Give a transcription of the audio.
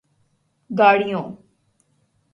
گاڑیوں